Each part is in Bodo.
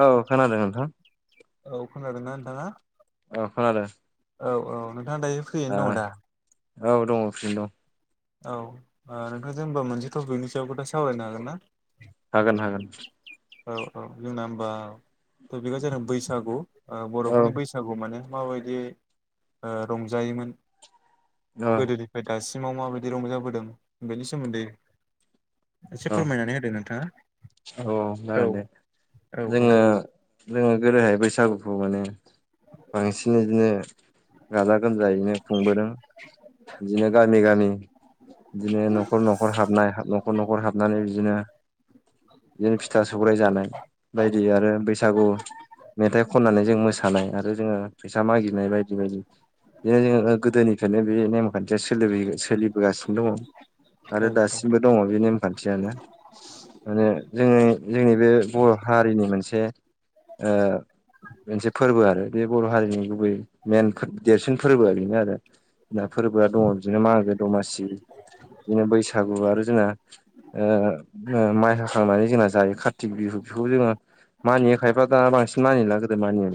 औ खोनादों नोंथां हा अ खोनादों औ औ नोंथाङा दायो फ्रियैनो दङ दा औ दङ' फ्रियैनो दं। औ ओ नोंथांजों होनबा मोनसे टपिकनि सायाव खोथा सावरायनो हागोन ना? हागोन हागोन। औ औ जोंना होमबा टपिकआ जादों बैसागु ओ औ बर'फोरनि बैसागु माने माबायदियै ओ रंजायोमोन गोदोनिफ्राय दासिमाव माबायदि रंजाबोदों बेनि सोमोन्दै एसे औ फोरमायनानै होदो नोंथाङा औ औ जागोन दे औ जोङो जोङो गोदोहाय बैसागु खौ माने बांसिन बिदिनो गाजा गोमजायैनो खुंबोदों। बिदिनो गामि गामि बिदिनो न'खर न'खर हाबनाय न'खर न'खर हाबनानै बिदिनो बिदिनो फिथा सौराइ जानाय बायदि आरो बैसागु मेथाइ खननानै जों मोसानाय आरो जोङो फैसा मागिनाय बायदि बायदि। बेनो जोङो गोदोनिफ्रायनो बे नेमखान्थिया सोलिबोयो सोलिबोगासिनो दङ'। आरो औ दासिमबो दङ' बे नेमखान्थियानो माने जोङो जोंनि बे बर' हारिनि मोनसे ओ मोनसे फोरबो आरो बे बर' हारिनि गुबै मेन देरसिन फोरबोआ बेनो आरो। जोना फोरबोआ दङ' बिदिनो मागो दमासि बिदिनो बैसागु आरो जोंना ओ माइ हाखां खांनानै जोंना जायो कार्तिक बिहु बेखौ जोङो मानियो खायफ्रा दा बांसिन मानिला गोदो मानिय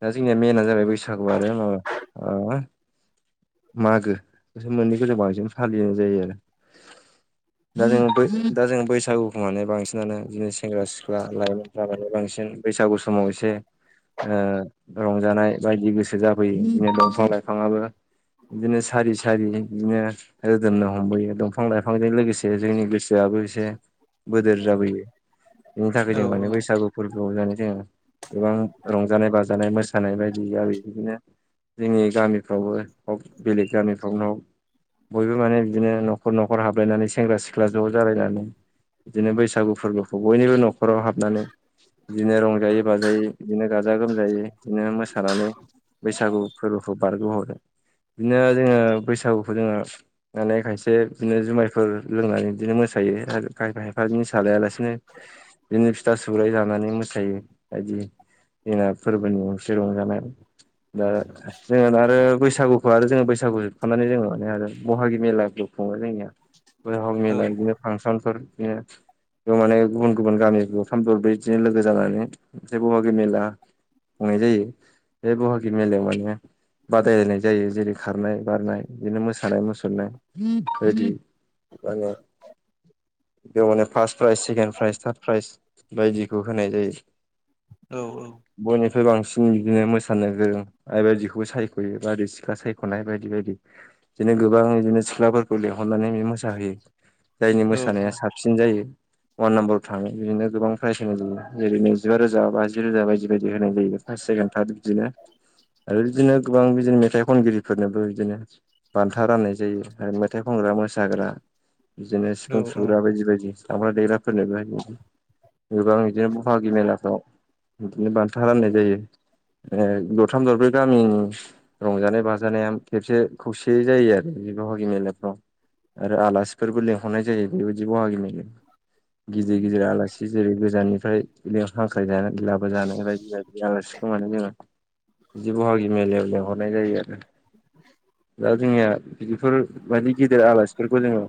दा जोंनिया मेनआ जाहैबाय बै सागु आरो माबा ओ मागो बेसो मोननैखौ जों बांसिन फालिनाय जायो आरो। दा जों बै दाजों बैसागु माने बांसिनानो बिदिनो सेंग्रा सिख्ला लाइमोनफ्रा माने बांसिन बैसागु समाव एसे ओ रंजानाय बायदि गोसो जाबोयो बिनो दंफां लाइफाङाबो बिदिनो सारि सारि बिदिनो रोदोमनो हमबोयो दंफां लाइफांजों लोगोसे जोंनि गोसोआ बो एसे बोदोर जाबोयो बिनि थाखाय औ जों माने बैसागु फोरबोआव माने जोङो गोबां रंजानाय बाजानाय मोसानाय बायदिया बिदिनो जोंनि गामिफ्रावबो हक बेलेग गामिफ्रावनो हक बयबो माने बिदिनो नखर नखर हाबलायनानै सेंग्रा सिख्ला ज' जालायनानै बिदिनो बैसागु फोरबोखौ बयनिबो नखराव हाबनानै बिदिनो रंजायै बाजायै बिदिनो गाजा गोमजायै बिदिनो मोसानानै बैसागु फोरबोखौ बारग'हरो। बिदिनो जोङो बैसागुखौ जोङो माने खायसे बिदिनो जुमायफोर लोंनानै बिदिनो मोसायो [unintelligible] बिदिनि निसा लायालासिनो बिदिनो फिथा सौराइ जानानै मोसायो बायदि जोंना फोरबोनि असे रंजानाय दा जोङो आरो बैसागुखौ आरो जोङो बैसागु जोबखांनानै जोङो माने आरो बहागि मेलाखौ खुङो जोंनिया बैहागि मेला बिदिनो फांसनफोर बिदिनो बेयाव माने गुबुन गुबुन गामि दरथाम दरब्रै बिदिनो लोगो जानानै ओमफ्राय बहागि मेला खुंनाय जायो बे बहागि मेलायाव माने बादायलायनाय जायो जेरै खारनाय बारनाय बिदिनो मोसानाय मुसुरनाय बायदि माने बेव माने first prize second prize third prize बायदिखौ होनाय जायो औ औ गोबांसिन बिदिनो मोसानो गोरों आइ बायदिखौबो सायख'यो बार दै सिख्ला सायख'नाय बायदि बायदि बिदिनो गोबां इदिनो सिख्लाफोरखौ लेंंहरनानै मोसाहोयो जायनि औ मोसानाया साबसिन जायो वान नाम्बाराव थाङो बिदिनो गोबां प्राइज होनाय जायो जेरै नैजिबा रोजा बाजि रोजा बायदि बायदि होनाय जायो फास सेकेण थार्ड बिदिनो आरो बिदिनो गोबां बिदिनो मेथाइ खनगिरिफोरनोबो बिदिनो बान्था राननाय जायो आरो मेथाइ खन सुग्रा मोसाग्रा बिदिनो औ सिफुं सुग्रा बायदि बायदि दामफ्रा देग्राफोरनोबो गोबां बिदिनो बहागि मेलाफ्राव बिदिनो बान्था राननाय जायो दरथाम दरब्रै गामिनि रंजानाय बाजानाया खेबसे खौसेयै जायो आरो बाहागि मेलाफ्राव आरो आलासिफोरबो लिंहरनाय जायो बेबायदि बाहागि मेलायाव गिदिर गिदिर आलासि जेरै गोजाननिफ्राय लें हांख्राय जानानै लाबोजानाय बायदि बायदि आलासि समानै जोङो बिदि बहागि मेलायाव लिंहरनाय जायो आरो दा जोंनिया बिदिफोर बायदि गेदेर आलासिफोरखौ जोङो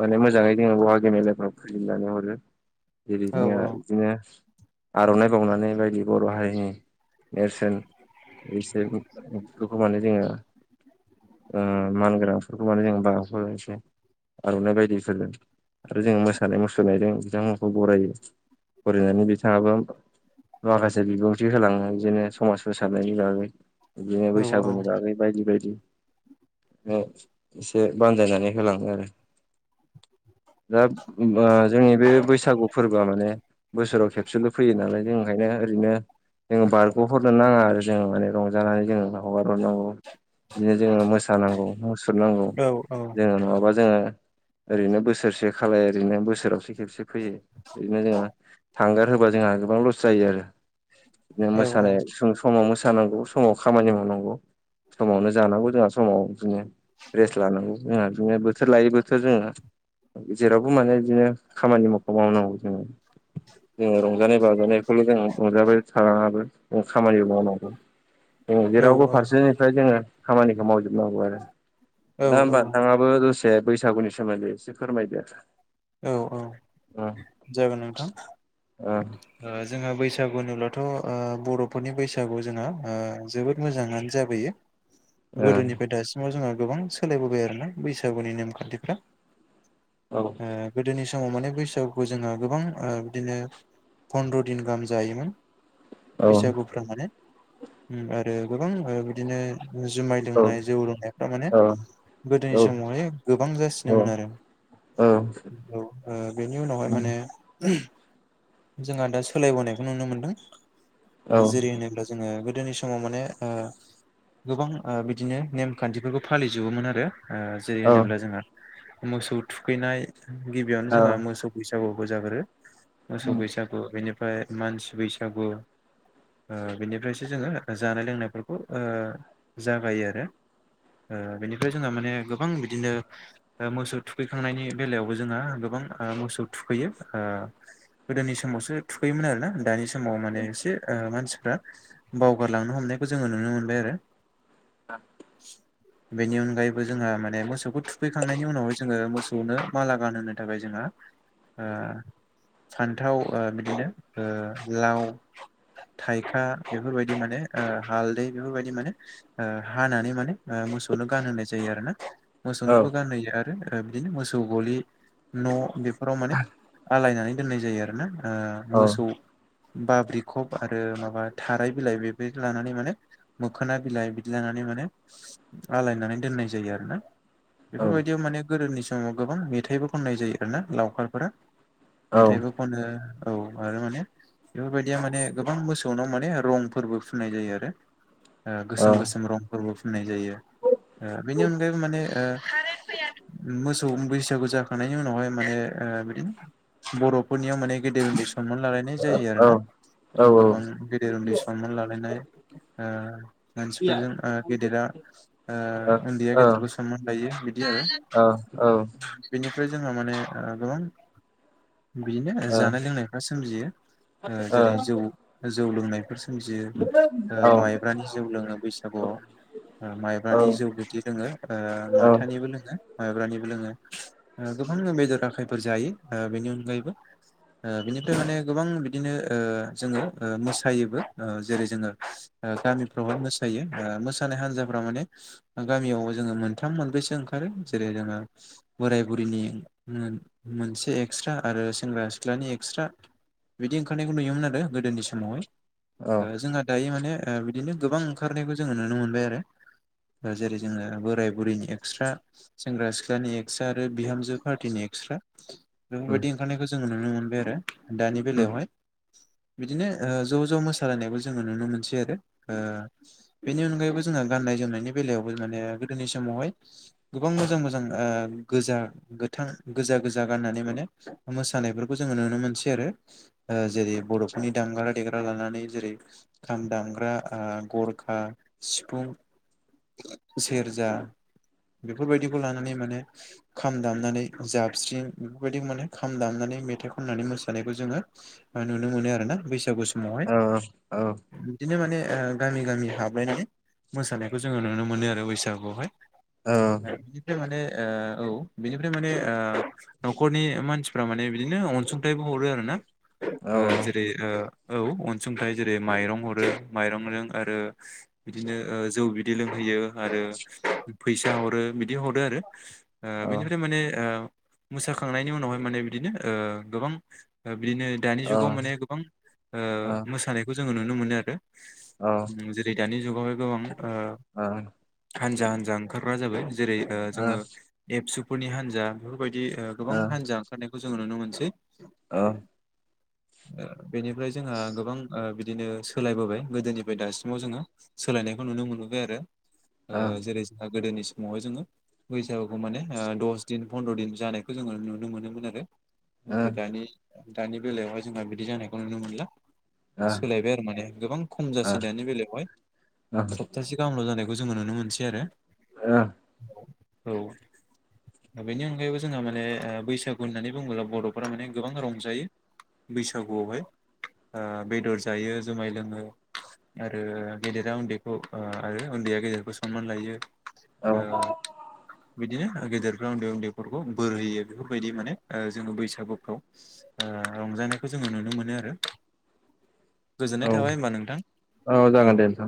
माने मोजाङै जोङो गाहागि मेलाफ्राव फुजिनानै हरो जेरै जोंहा बिदिनो आर'नाइ बाउनानै बायदि बर' हारिनि नेरसोन इसोर बेफोरखौ माने जोङो ओ मानगोनांफोरखौ माने जों [unintelligible] आर'नाइ बायदि बिफोरो आरो जों मोसानाय मुसुरनायजों बिथांमोनखौ बरायो बरायनानै बिथाङाबो माखासे बिबुंथि होलाङो बिदिनो समाज फोसाबनायनि बागै बिदिनो औ बैसागुनि बागै बायदि बायदि एसे बानजायनानै होलाङो आरो [inaudible] दा ओ जोंनि बे बैसागु फोरबोआ माने बोसोराव खेबसेल' फैयो नालाय जों ओंखायनो ओरैनो जोङो बारग'हरनो नाङा आरो जो माने रंजानानै जोङो हगारहरनांगौ बिदिनो जोङो मोसानांगौ मुसुरनांगौ जोङो नङाबा जोङो ओरैनो बोसोरसे खालाय ओरैनो बोसोरावसो खेबसे फैयो ओरैनो जोङो थांगारहोबा जोंहा गोबां लस जायो आरो बिदिनो मोसानाय समाव मोसानांगौ समाव खामानि मावनांगौ समावनो जानांगौ जोंहा समाव बिदिनो रेस्ट लानांगौ जोंहा बिदिनो बोथोर लायै बोथोर जोंङो जेरावबो माने बिदिनो खामानि मावख मावनांगौ जोंङो जोंङो रंजानाय बाजानायखौल' जों नुजाबाय थानानैाबो जों खामानि मावनांगौ जों जेरावबो फारसेनिफ्राय जोंङो खामानिखौ मावजोबनांगौ आरो औ दा होमबा नोंथांङाबो दसे बैसागुनि सोमोन्दै एसे फोरमायदो औ औ ओं जागोन नोंथां ओं जोंहा बैसा बैसागु होनब्लाथ' बर'फोरनि बैसागुआव जोंहा जोबोद मोजांङानो जाबोयो गोदोनिफ्राय दासिमाव जोंहा गोबां सोलायबोबाय आरोना बैसागुनि नेमखान्थिफ्रा ओं औ गोदोनि समाव माने बैसोआव खौ जोंङो गोबां बिदिनो फन्द्र' दिन गाहाम जायोमोन औ बैसागुफ माने आरो गोबां बिदिनो जुमाय लोंनाय जौ लोंनायफ्रा माने औ औ गोदोनि समावहाय गोबां औ जासिनोमोन आरो बे बेहाय माने जोंहा दा सोलायबोनायखौ नुनो मोनदों जेरै होनोब्ला जोंङो गोदोनि समाव माने गोबां बिदिनो नेम खान्थिफोरखौ फालिजोबोमोन आरो जेरै औ होनोब्ला जोंहा मोसौ थुखैनाय गिबियावनो जों मोसौ बैसागुबो जागोरो मोसौ बैसागु बेनिफ्राय मानसि बैसागु बिनिफ्रायसो जोंङो जानाय लोंनायफोरखौ जागायो आरो बेनिफ्राय जोंहा माने गोबां बिदिनो मोसौ थुखैखांनायनि बेलायावबो जोंहा गोबां मोसौ थुखैयो गोदोनि समावसो थुखैयोमोन आरोना दानि समाव माने एसे मानसि बावगारलांनो हमनायखौ जोंङो नुनो मोनबाय आरो [unintelligible] बेनि अनगायैबो जोंहा माने मोसौखौ थुखैखांनायनि उनावहाय जोंङो मोसौनो माला गानहोनो थाखाय जोंहा फान्थाव बिदिनो लाव थाइखा बेफोरबायदि माने हालदै बेफोरबायदि माने हानानै माने ओ मोसौनो गानहोनाय जायो आरो ना औ मोसौनोबो गानहोयो आरो बिदिनो मोसौ गलि न' बेफोराव माने [unintelligible] सालायनानै दोननाय जायो आरोना मोसौ बाब्रिखब आरो माबा थाराय बिलाइ बेफोर लानानै माने मोखोना बिलाइ बिदि लानानै माने आलायनानै दोननाय जायो आरो ना बेफोरबायदियाव माने गोदोनि समाव गोबां मेथाइबो खननाय जायो आरोना लावखारफोरा मेथाइबो खनो औ आरो माने बेफोरबायदिया माने गोबां मोसौनाव माने रं फोरबो फुननाय जायो आरो औ गोसोम गोसोम रंफोरबो फुननाय जायो बेनि अनगायैबो माने मोसौ बैसागु जाखांनायनि उनावहाय माने बिदिनो बर'फोरनियाव माने गेदेर गन्दै सनमान लालायनाय जायो आरो औ ना औ गोबां गेदेर उन्दै सनमान लालायनाय मानसिफोरजों गेदेरा उन्दैया गेदेरखौ सनमान लायो बिदि आरो बेनिफ्राय जोंङो माने गोबां बिदिनो जानाय लोंनायफ्रा सोमजियो जेरै जौ जौ लोंनायफोर सोमजियो ओ माइब्रानि जौ लोङो बैसागुआव माइब्रानि जौ बिदि लोङो ओ माथानिबो लोङो माइब्रानिबो जोङो ओ गोबां बेदर आखाइफोर जायो ओ बेनि अनगायैबो ओ बिनिफ्राय माने गोबां बादिनो ओ जोङो ओ मोसायोबो जेरै जोङो गामिफ्रावहाय मोसायो ओ मोसानाय हान्जाफ्रा माने गामियाव जोङो मोनथाम मोनब्रैसो ओंखारो जेरै जोङो बोराय बुरिनि मोनसे एसे एक्सट्रा आरो सेंग्रा सिख्लानि एक्सट्रा बिदि ओंखारनायखौ नुयोमोन आरो गोदोनि समावहाय औ ओ जोंहा दायो माने ओ बिदिनो गोबां ओंखारनायखौ जोङो नुनो मोनबाय आरो जेरै जोङो बोराय बुरैनि एक्सट्रा सेंग्रा सिख्लानि एक्सट्रा आरो बिहामजो पार्टिनि ए क्स्रा बेफोरबायदि ओंखारनायखौ जोङो नुनो मोनबाय आरो दानि बेलायावहाय बिदिनो ओ ज' ज' मोसालायनायखौ जोङो नुनो मोनसै आरो ओ बेनि अनगायैबो जों ङो गाननाय जोमनायनि बेलायावबो माने गोदोनि समावहाय गोबां मोजां मोजां ओ गोजा गोथां गोजा गोजा गाननानै माने मोसानायफोरखौ जोङो नुनो मोनसै आरो ओ जेरै बर'फोरनि दामग्रा देग्रा लानानै जेरै खाम दामग्रा ओ गरखा सिफुं सेरजा बेफोरबायदिखौ लानानै माने खाम दामनानै जाबस्रिं बेफोरबायदि माने खाम दामनानै मेथाइ खननानै मोसानायखौ जोङो नुनो मोनो आरो ना बैसागु स मावहाय बिदिनो माने गामि गामि हाबलायनाय मोसानायखौ जोङो नुनो मोनो आरो बैसागुआवहाय बिनिफ्राय माने ओ औ बिनिफ्राय माने ओ न'खरनि मानसिफ्रा माने बिदिनो अनसुंथाइबो हरो आरोना ओ जेरै ओ औ अनसुंथाइ जेरै माइरं हरो माइरं जों आरो बिदिनो जौ बिदै लोंहै यो आरो फैसा हरो बिदि हरो आरो ओ बेनिफ्राय माने ओ मोसाखांनायनि उनावहाय माने बिदिनो गोबां बिदिनो दानि जुगाव माने गोबां ओ मोसानायखौ जोङो नुनो मोनो आरो जेरै दानि जुगावहाय गोबां ओ हानजा हानजा ओखारग्रा जाबाय जेरै ओ जोङो एबसुफोरनि हान्जा बेफोरबाय दि गोबां हान्जा ओंखारनायखौ जोङो नुनो मोनसै औ बेनिफ्राय जोंहा गोबां ओ बिदिनो सोलायबोबाय गोदोनिफ्राय दासिमाव जोङो सोलायनायखौ नुनो मोनबोबाय आरो जेरै जोंहा गोदोनि समाव जोङो बैसागुखौ माने दस दिन फन्द्र' दिन जानायखौ जोङो नुनो मोनोमोन आरो नाथाय दानि दानि बेलायावहाय जोंहा बिदि जानायखौ नुनो मोनला सोलायबाय आरो माने गोबां खम जासै दानि बेलायावहाय सप्तासे गाहामल जानाय खौ जोङो नुनो मोनसै आरो आ औ बेनि अनगायैबो जोंहा माने बैसागु होननानै बुङोब्ला बर'फोरा माने गोबां रंजायो बैसागुआवहाय बेदर जायो जुमाय लोङो आरो गेदेरा उन्दैखौ ओ आरो उन्दैया गेदेरखौ सनमान लायो बिदिनो गेदेरफ्रा उन्दै उन्दै बोर होयो बेफोरबायदि माने जोङो बैसागुफ्राव ओ रंजानायखौ जोङो नुनो मोनो आरो गोजोननाय थाबाय होनबा नोंथां औ जागोन दे नोंथां